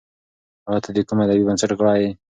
ایا ته د کوم ادبي بنسټ غړی یې؟